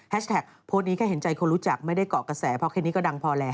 โพสต์นี้แค่เห็นใจคนรู้จักไม่ได้เกาะกระแสเพราะแค่นี้ก็ดังพอแล้ว